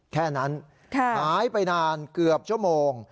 แค่นั้นหายไปนานเกือบชั่วโมง